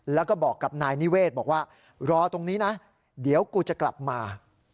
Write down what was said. แล้วก็บอกกับนายนิเวศบอกว่ารอตรงนี้นะเดี๋ยวกูจะกลับมา